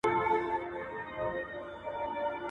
• ټوله عمر د عبادت يوه خبره د حقيقت.